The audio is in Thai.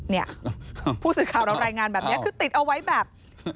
เนี่ยผู้สื่อข่าวเรารายงานแบบนี้คือติดเอาไว้แบบ